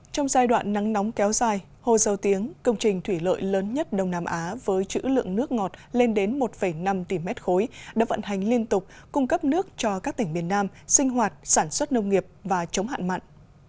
trong giai đoạn nắng nóng kéo dài hồ dầu tiếng công trình thủy lợi lớn nhất đông nam á với chữ lượng nước ngọt lên đến một năm tỷ mét khối đã vận hành liên tục cung cấp nước cho các tỉnh miền nam sinh hoạt sản xuất nông nghiệp và chống hạn mặn